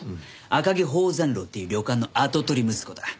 赤城宝山楼っていう旅館の跡取り息子だ。